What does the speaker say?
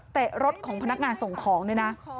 รถของพนักงานส่งของด้วยนะ